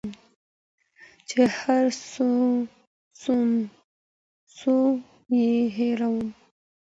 چي هر څو یې هېرومه